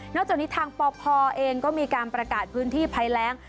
จากนี้ทางปพเองก็มีการประกาศพื้นที่ภัยแรง